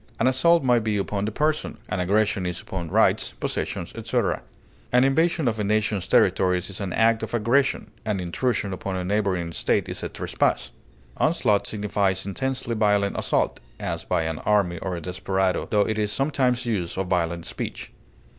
An assault may be upon the person, an aggression is upon rights, possessions, etc. An invasion of a nation's territories is an act of aggression; an intrusion upon a neighboring estate is a trespass. Onslaught signifies intensely violent assault, as by an army or a desperado, tho it is sometimes used of violent speech.